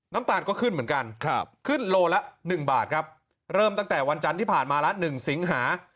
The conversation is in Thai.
น้ำตาลก็ขึ้นเหมือนกันขึ้นโลละ๑บาทครับเริ่มตั้งแต่วันจันทร์ที่ผ่านมาละ๑สิงหา